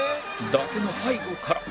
伊達の背後から